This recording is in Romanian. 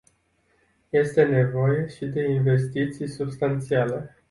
Este nevoie și de investiții substanțiale.